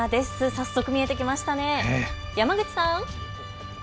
早速、見えてきましたね、山口さん。